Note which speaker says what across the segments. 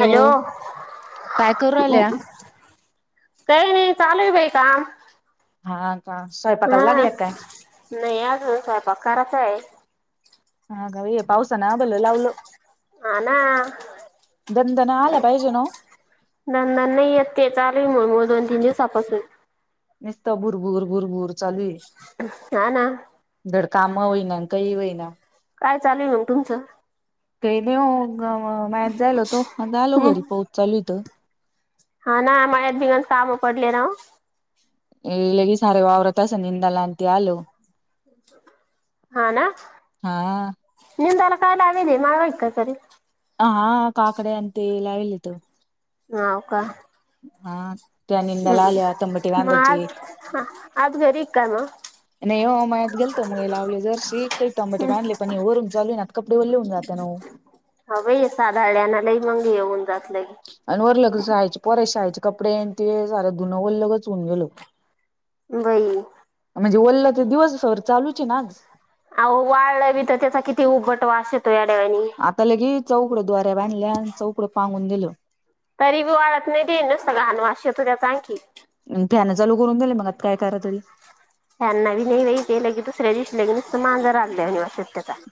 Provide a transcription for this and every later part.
Speaker 1: Hello!
Speaker 2: काय करू राहिल्या?
Speaker 1: काय नाही चालुय बाई काम.
Speaker 2: हा का स्वयंपाकायला
Speaker 1: हा
Speaker 2: लागल्यात काय?
Speaker 1: नाही आजून स्वयपाक काराचाय.
Speaker 2: [inaudible] पावसान बलं लावलं.
Speaker 1: हा ना
Speaker 2: दंणदणा आला पाहिजे ना ओ.
Speaker 1: दणदणा नाही येत. ते चालुय मुळमुळ दोन तीन दिवसापासून.
Speaker 2: निसत भुरभुर भुरभुर चालू आहे.
Speaker 1: हा ना.
Speaker 2: धड काम होईना न काही होईना.
Speaker 1: काय चालुय मग तुमचं?
Speaker 2: काय नाही हो. मॅच जायल तो झालो
Speaker 1: हम्म
Speaker 2: घरी पाऊस चालू इथं.
Speaker 1: हा ना. [unintelligible] काम पडले ना.
Speaker 2: लगेच सार ववर्रत अस निंदला न ते आलो.
Speaker 1: हा ना
Speaker 2: हा
Speaker 1: निंदला. [unintelligible]
Speaker 2: हा काकडेन अ ते लाविलेत.
Speaker 1: हाव का.
Speaker 2: हा ते निंदद्याला आल्या टमॅट
Speaker 1: मग आज
Speaker 2: बांधायची.
Speaker 1: हा, आज घरी आहे का मग
Speaker 2: नाही हो मळ्यात गेलतो मुळे लावले जशी कैक टमाट बांधले पण वरून चालू हाय ना आता. कपडे वले होऊन जात ना ओ.
Speaker 1: हव बाई साधाळल्यान लय मंग येऊन जात. लगे
Speaker 2: आणि वरलग शाळेची पोरं शाळेची. कपडे न ते सारं धुन वलगच होऊन गेल.
Speaker 1: बाई.
Speaker 2: म्हणजे ओला तर दिवसभर चालूचे आहे ना आज.
Speaker 1: अहो वाळला बी तर त्याचा किती उबट वाश येतो या यड्यावानी.
Speaker 2: चौकड द्वारे बांधल्या चौकडं पांगुन दिलं.
Speaker 1: तरी बी वाळत नाही ते नुसत घान वाश येतो त्याचा आणखी.
Speaker 2: अन फॅनं चालू करून गेले मग आता काय करा तरी.
Speaker 1: या नवीन ने बे लगेच दुसऱ्या दिवशी मांजर हागल्यावानी वासते त्यात.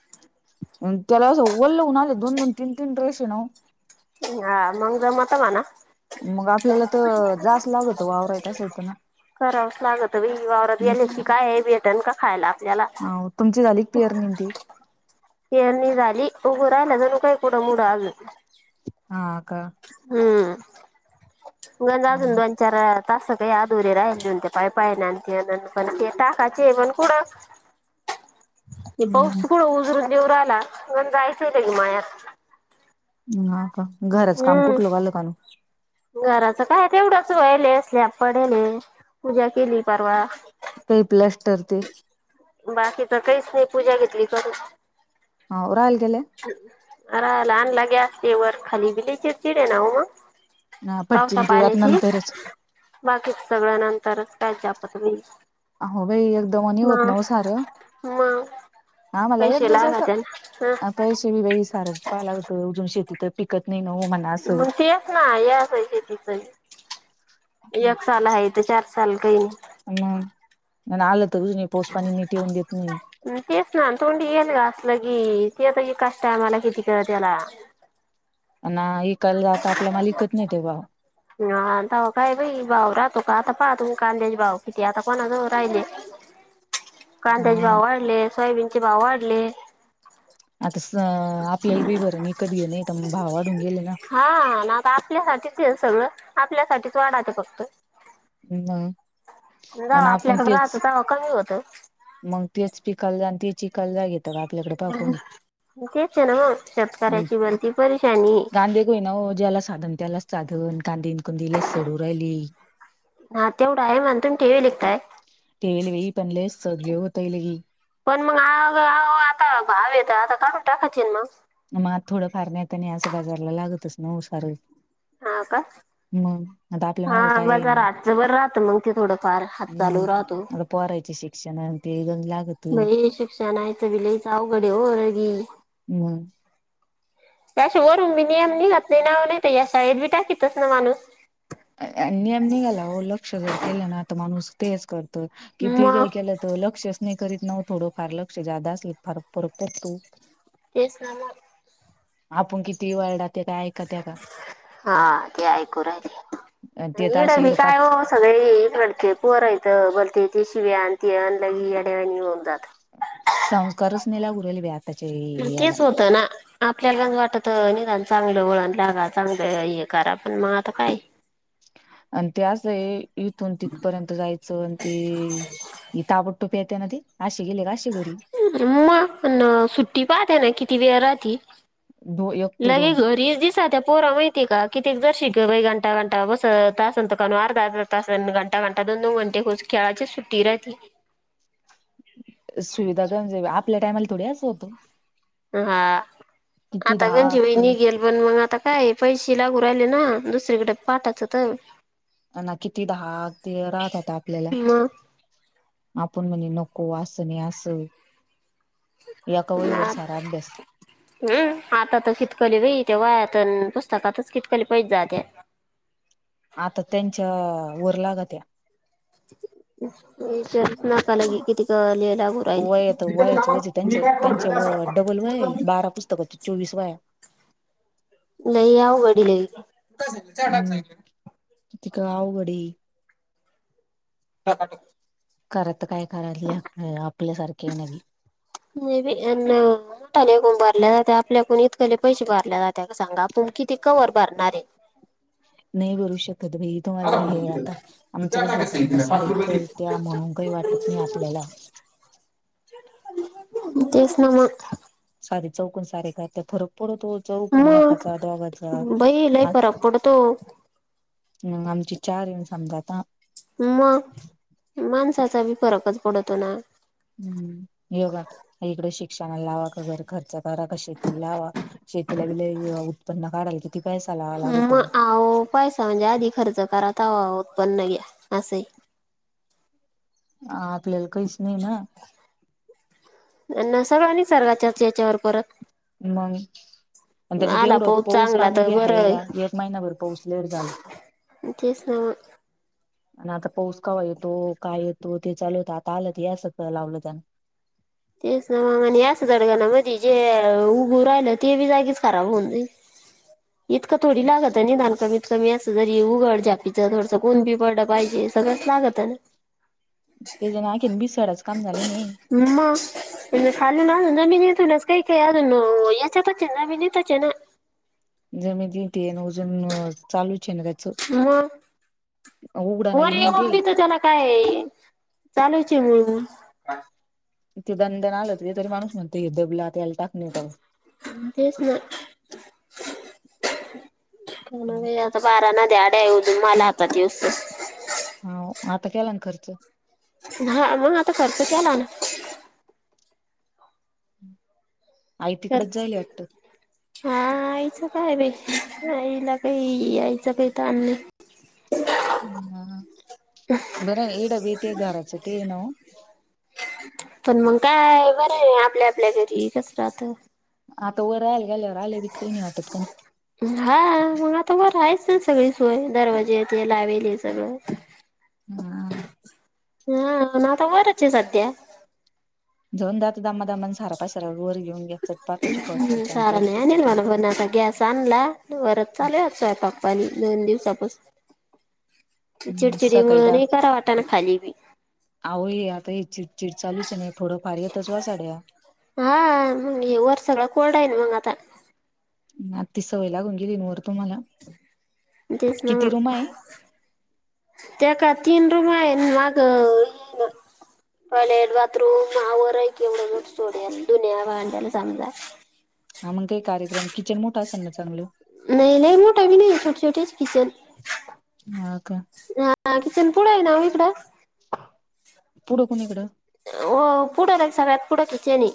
Speaker 2: त्याला असं ओल्लं उन आले दोन दोन तीन तीन ड्रेस ये ना हो.
Speaker 1: हा मंग जमत म्हणा
Speaker 2: मग आपल्याला त जास्त लागत वावरायत असं होतं ना.
Speaker 1: करावच लागत बई वावरात गेले की काय भेटण का खायला आपल्याला.
Speaker 2: हम्म तुमची झाली का पेरणी ती
Speaker 1: पेरणी झाली उगू रहिला जणू काय कूड मूड आल
Speaker 2: हा का.
Speaker 1: गंजा अजून दोन चार तासं सकाळी अधुरे राहिले देऊन ते पाय पाय नान ते नान पण ते टाकाचे पण कुडं
Speaker 2: [inaudible]
Speaker 1: ते पाऊस
Speaker 2: हम्म
Speaker 1: कुड उजरून देेउ राहीला ऊन जायचं होतं की मायात.
Speaker 2: हा का घराच काम
Speaker 1: हम्म
Speaker 2: कुठल झालं काय णु
Speaker 1: घराचं काय तेवढच वईले स्लॅप पडीले पूजा केली परवा.
Speaker 2: काई प्लस्टर ते
Speaker 1: बाकीच काहीच नाही पूजा घेतली करून.
Speaker 2: हा वर रहायला गेले.
Speaker 1: आरल आणला ग्यास ते वर खाली बि लई चिडचीड ये ना हो. पावसा
Speaker 2: फटचिन ते आत
Speaker 1: पाण्याची
Speaker 2: नंतरच.
Speaker 1: बाकी सगळ्या नंतरच कायच्या [inaudible]
Speaker 2: अहो भाई एकदम आणि होत ना ओ सा
Speaker 1: मं.
Speaker 2: आम्हाला एक दिवस
Speaker 1: ह
Speaker 2: पैसे बी सार पाहाव लागतं अजून शेती तर पिकत नाही ना हो म्हणा असं
Speaker 1: मग तेच ना या आसय शेतीच एक साल हाय तर चार साल
Speaker 2: हूं म आलं तर अजून पाऊस पाणी नीट येऊन देत नाही
Speaker 1: तेच ना तोंडी येईल ग असलं गी ते आता ई कष्ट हाय मला किती कर त्याला
Speaker 2: अना इकाईला जाता आपला माल इकत नाही ते बा.
Speaker 1: हा तवा काय बाई भाऊ राहतो का आता पाहतो म कांद्याचे भाऊ किती आता कोणाजवळ राहिले.
Speaker 2: [inaudible]
Speaker 1: कांद्याचे
Speaker 2: हा
Speaker 1: भाव वाढले सोयाबीनचे भाव वाढले.
Speaker 2: आता सं आपल्याला बी भरून विकत घेने भावा
Speaker 1: हा नाता आपल्याहातीच ये सगळं आपल्यासाठीच वाढाचं फक्त.
Speaker 2: मग आणि
Speaker 1: जावा
Speaker 2: आपण
Speaker 1: आपल्याकडे
Speaker 2: तेच
Speaker 1: राहतो तवा कमी होत.
Speaker 2: मग तेच पिकालजा आणि तच ईकायला जा घेत बा आपल्याकडे पा कोणी.
Speaker 1: तेच आहे ना मग
Speaker 2: हम्
Speaker 1: शेतकऱ्याची बनती परेशानी
Speaker 2: गांधे गोईना ओ ज्याला साधन त्याला साधण कांदीनकुंदिले सडू राहिली.
Speaker 1: हा [unintelligible] काय.
Speaker 2: सडली होतयल ही.
Speaker 1: पण म [unintelligible] आता काढून टाकायचेन मग.
Speaker 2: नमा थोडं फार न्हेते आणि असं बाजारला लागतच ना ओ सारं.
Speaker 1: हा का?
Speaker 2: मग आता आपल्या
Speaker 1: हा
Speaker 2: मागं काय नाही
Speaker 1: बजारातच बर राहतं मग ते थोडंफार हात चालू राहतो.
Speaker 2: क्षण आणि ते गण
Speaker 1: बई शिक्षणाचं बी लईच अवघडे ओ रवी.
Speaker 2: मग
Speaker 1: [unintelligible] माणूस
Speaker 2: नियम निघाला हो लक्ष जर केलं ना तर माणूस तेच कर त किती
Speaker 1: मग
Speaker 2: जरी केलं तर लक्षच नाही करीत ना व थोडं फार लक्ष जादा असल फार फरक परतो.
Speaker 1: तेच ना मग.
Speaker 2: आपण कितीही वरडा ते काय ऐका ते का.
Speaker 1: हा ते ऐकु राहिले
Speaker 2: ते तर
Speaker 1: आणि इडं
Speaker 2: अशी
Speaker 1: बि काय
Speaker 2: पाच
Speaker 1: हो सगळे लडके पोरं आहेतं तेच्या शिवाय आण ते ऑनलाईन येड्यावानी होऊन जात
Speaker 2: संस्कारच नही लागू राहिले बई आज
Speaker 1: तेच होतं ना आपल्याला वाटत चांगलं वळण लागा चांगलं हे करा पण मग आता काय
Speaker 2: आणि ते अस हे इथून तिथपर्यंत जायचं आणि [inaudible] ना ती
Speaker 1: म प सुट्टी पाहताय ना किती वेळ राहती
Speaker 2: दो एक ते
Speaker 1: लगे
Speaker 2: दोन
Speaker 1: घरीच दिसा त्या पोरं माहिती हे का किती जर शिक बा घंटा घंटा बस तासंतं का अर्धा अर्धा तास घंटा घंटा नऊ घंटे खेळाची सुट्टी राहती
Speaker 2: सुविधा काय म्हणजे आपल्या टायमाला थोडी असं होतं
Speaker 1: हा,
Speaker 2: किती
Speaker 1: आता
Speaker 2: दहा
Speaker 1: गंजी वहिणी
Speaker 2: ते
Speaker 1: हि घेईल बनवून मग आता काय पैसे लागू राहिले ना, दुसरीकडे पाठायचं तर
Speaker 2: अ ना किती दहा ते राहत होता आपल्याला,
Speaker 1: मग
Speaker 2: आपण म्हणे नको असं नाही असं, एका वहीवर सारा अभ्यास
Speaker 1: हम् आता तर शितकली बाई त्या व्हयात अन पुस पुस्तकातच कितकली पैसे जायत्या.
Speaker 2: आता त्यांच्या वर लागत्या.
Speaker 1: नाका लागे किती
Speaker 2: वयात वयाची वज त्यांच्या त्यांच्या डबल वय आहे.
Speaker 1: [unintelligible] [unintelligible]
Speaker 2: बारा पुस्तकात चोवीस वया
Speaker 1: लय अवघड लई, काय सांगितलं चहा टाक सांगितलं मी तु
Speaker 2: ती का अवघड हाय?
Speaker 1: [unintelligible]
Speaker 2: करत काय करातल्या आपल्यासारखे नव्हे.
Speaker 1: मी बी मोटाले एकून भरल्या जाते आपल्याकून इतकले पैसे भरल्या जाते सांगा आपण किती ति कवर भरणारे?
Speaker 2: नाही भरू शकत बाई, तु माझ हे आता, आमचं कसं आहे समजा सारे कळत्या म्हणू काही वाटत नाही आपल्याला.
Speaker 1: [unintelligible] तेच ना मग
Speaker 2: सारे चहूकुन सारे कात्या फर पुडतो चहुकुन,
Speaker 1: मग
Speaker 2: एकाचा दोघाचा
Speaker 1: बाई लय
Speaker 2: ह
Speaker 1: फरक पडतो
Speaker 2: ह आमची चार येऊ समजा आता
Speaker 1: मग, माणसाचा बी फरकच पडतो ना?
Speaker 2: हम्म, योगा इकडे शिक्षणा लावा क घर खर्च करा क शेती लावा? शेतीला बी लय अ उत्पन्न काढाल की
Speaker 1: मग, आहो पैसा म्हणजे आधी खर्च करताव. उत्पन्न नाही, असंय.
Speaker 2: ह आपल्याला काहीच नाही ना?
Speaker 1: सर्वांनी सर्वांच्याच याच्यावर परत
Speaker 2: मंग आणि त्याच्यात
Speaker 1: आला
Speaker 2: एवढं पाऊस
Speaker 1: चांगला
Speaker 2: पाणी
Speaker 1: तर
Speaker 2: बी आहे
Speaker 1: बरं
Speaker 2: का? एक महिनाभर पाऊस लेट झाला.
Speaker 1: तेच ना मग.
Speaker 2: आणि आता पाऊस कवा येतो, काय येतो ते चालू होतं आता आलं तर हे असं कळ लावलं त्यानी
Speaker 1: तेच ना मग आणि हे अस जडगणा मध्ये जे, उगवू राहिलं ते बी जागीच खराब होऊन जाईन.
Speaker 2: [inaudible]
Speaker 1: इतकां थोडी लागतं निदान कमी कमी असं जरी उघड झापीचं थोडसं ऊन बी पडलं पाहिजे, सगळंच लागत आहे ना.
Speaker 2: त्याच्यानं आणखी बी सडाचं काम झालं नाही.
Speaker 1: मग खालून आजुन जमीनीतुनच काही काही आजुन अं याच्यातच हे जमीनीतच हे ना?
Speaker 2: [unintelligible] ऊजून चालूच हे ना त्याच.
Speaker 1: मग
Speaker 2: उघडा नवी
Speaker 1: वर
Speaker 2: नाही
Speaker 1: येऊन
Speaker 2: ते
Speaker 1: बी त त्याला काय चालूच आहे मुळु मुळु.
Speaker 2: ते दनदन आलं ते तरी माणुस म्हणतंय हे दबलं आता याला
Speaker 1: म तेच ना. आता बारा नद्या [unintelligible] माल हातात येउस
Speaker 2: हांउ आता केला ना खर्च?
Speaker 1: हा हा आता खर्च केला ना.
Speaker 2: आई तिकडच
Speaker 1: खर्च,
Speaker 2: जाईल वाटत
Speaker 1: हा आईचा. काय बाई, आईला काही यायचा काही तान नाही.
Speaker 2: हम हा हा. बरं हे ईड बि ते घराच ते हे नाव.
Speaker 1: पण मग काय बरं हे आपल्या आपल्या घरी कस राहत.
Speaker 2: आता व राहि..
Speaker 1: हाआ मंग आता बर आहेच सगळी सोय दरवाजे ते लावेल हे सगळं.
Speaker 2: हाआ
Speaker 1: त वरच हे सध्या.
Speaker 2: जाऊन दे आता दमा.. दमन झारापासारा वर घेऊन घ चट पातच हे फर्ची चां
Speaker 1: सारा
Speaker 2: प्लास्टर च्या..
Speaker 1: गॅस आणला वरचं चालुहे आता स्वयंपाक पाणी दोन दिवसापसून.
Speaker 2: हम्म
Speaker 1: चिडचिडी मुळ
Speaker 2: सकाळी दा
Speaker 1: नही करा वाटा ना खाली बी.
Speaker 2: तेची..
Speaker 1: हा मग हे वर सगळं कोल्ड हे ना मग आता.
Speaker 2: आत ती सवय लागुन गेली न वर. तुम्हाला
Speaker 1: तेच ना
Speaker 2: किती रूम
Speaker 1: मग,
Speaker 2: आहे
Speaker 1: त्यात काय आ.. तीन रुमा हे न माग अ हे न..
Speaker 2: [inaudible]
Speaker 1: टॉयलेट बाथरूम आवर हे केवढ मोठ सोडेल दुनिया भांड्याला समजा.
Speaker 2: हा मग कही कार्यक्रम किचन मोठ असेल ना चांगलं‌.
Speaker 1: नही लय मोट भि नही हे छोट छोटेच किचन हा. हा किचन पुढे हे ना ओ इकड.
Speaker 2: पुढं कोणी कडं?
Speaker 1: हो पुढं लगी सगळ्यात पुढं किचन हे.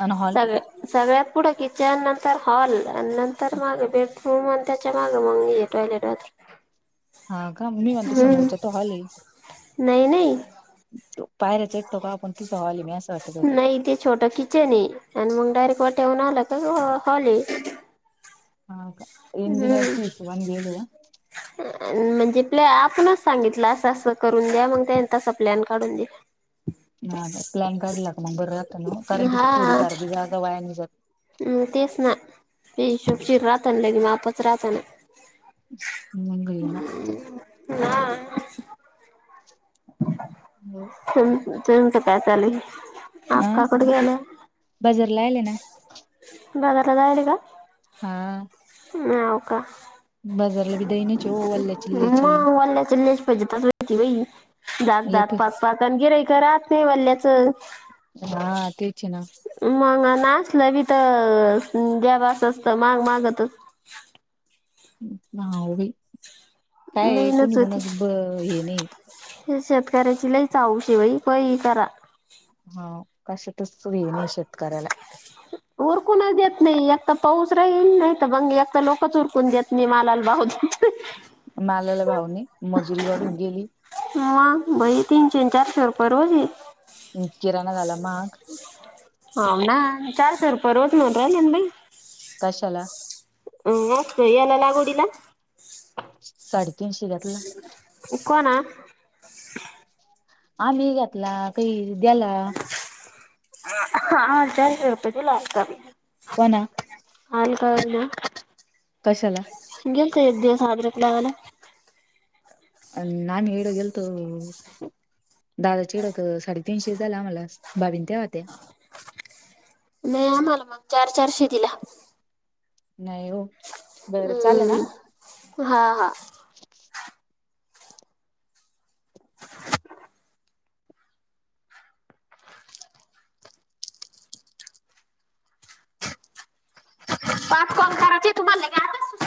Speaker 2: आणि हॉल
Speaker 1: सगळ सगळ्यात... पुढं किचन नंतर हॉल आणि नंतर माग बेडरूम त्याच्या माग मग टॉयलेट बाथरुम.
Speaker 2: हा का मी म्हणते समोरचा तो हॉल हे.
Speaker 1: नही नही.
Speaker 2: च् च. होतं
Speaker 1: नाही तेे छोट किचन हे आणि मग डायरेक्ट वाट.. ठेवून आल का हॉल हे.
Speaker 2: हा का इंजिनिअरचे हिशोबान घेयल हे ना.
Speaker 1: म्हणजे प्ले आपणच सांगितलं असं असं करून द्या मग त्यां त प्लॅन काढून दिला.
Speaker 2: हा का प्लॅन काढला का मग बरं राहत ना कारण कि थोडी तारगी जागा वयानी जात.
Speaker 1: हम तेच ना ते हिशोबशीर राहतन लगी मापच राहतना.
Speaker 2: मंग ये ना.
Speaker 1: हा. अम तुमच काय चालुय.
Speaker 2: अं बाजार ला आले ना
Speaker 1: बाजाराला जायल का
Speaker 2: हा
Speaker 1: नव का
Speaker 2: बाजारला भी दईनच हो अल्ल्या चिल्ल्याची
Speaker 1: जच माती बाई दात
Speaker 2: लय
Speaker 1: दात
Speaker 2: फ-
Speaker 1: पाक पाक आणि गिरय ख राहत नाही वल्ल्याचं
Speaker 2: हा तेच ना
Speaker 1: मग असल बी तर द्या बसचत माग मागतच
Speaker 2: ह उभी काय कोणी
Speaker 1: लईनच
Speaker 2: कोणाच हे नाही
Speaker 1: हे शेतकऱ्याची लई चाऊशी बाई पही करा
Speaker 2: हा कश तस ये नाही शेतकऱ्याला
Speaker 1: उरकूनच देत नाही एक तर पाऊस राहीईल नाही तर मंग एकता लोकच उरकून देत मी मालाला बाऊून
Speaker 2: मालाला भाव नाही मजुरी वाढून गेली
Speaker 1: म बघित तन चंचाार परवजी [unintelligible]
Speaker 2: किराणा झाला महाग.
Speaker 1: हो ना चारशे रुपये रोज म्हणू राहिले भाई.
Speaker 2: कशाला?
Speaker 1: अ वातय येला लागोडीला.
Speaker 2: साडी
Speaker 1: को ना??
Speaker 2: आम्ही घातला काही द्याला
Speaker 1: हा जास्वरपजला असतव [unintelligible]
Speaker 2: कोणा?
Speaker 1: आल का ना.
Speaker 2: कशाला?
Speaker 1: गेलतो एक दिवस आद्रक लावायला.
Speaker 2: अ नाम हड गेल्तो [unintelligible] दादा चिड तर साडेतीनशे झाला आमला भाभी आणि त्या होत्या
Speaker 1: नाही आम्हाला मग चार चारशे दिला.
Speaker 2: नाही हो बरं चालेल ना
Speaker 1: हम्म हा हा.. [inaudible] पाच कॉल करायचे तुम्हाला आ